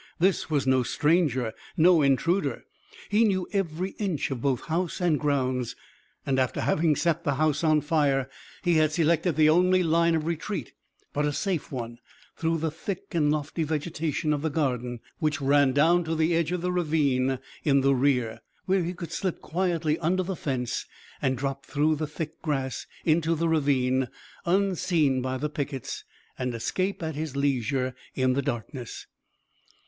This was no stranger, no intruder. He knew every inch of both house and grounds, and, after having set the house on fire, he had selected the only line of retreat, but a safe one, through the thick and lofty vegetation of the garden, which ran down to the edge of the ravine in the rear, where he could slip quietly under the fence, drop through the thick grass into the ravine unseen by the pickets, and escape at his leisure in the darkness.